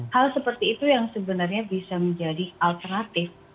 hal seperti itu yang sebenarnya bisa menjadi alternatif